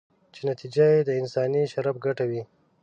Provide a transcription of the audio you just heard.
چې نتیجه یې د انساني شرف ګټه وي.